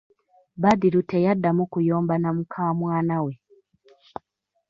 Badru teyaddamu kuyomba na mukamwana we.!